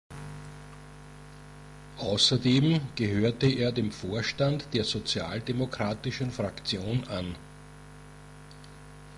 Außerdem gehörte er dem Vorstand der sozialdemokratischen Fraktion an.